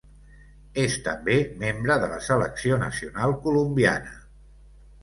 És també membre de la selecció nacional colombiana.